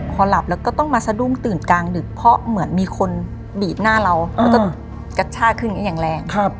พอหลับแล้วก็ต้องมาสะดุ้งตื่นกลางดึกเพราะเหมือนมีคนบีบหน้าเราแล้วก็กระชากขึ้นอย่างนี้อย่างแรง